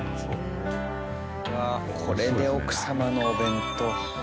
これで奥様のお弁当。